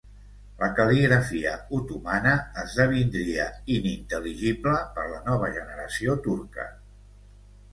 La cal·ligrafia otomana esdevindria inintel·ligible per la nova generació turca.